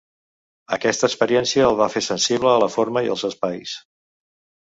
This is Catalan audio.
Aquesta experiència el va fer sensible a la forma i als espais.